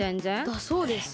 だそうです。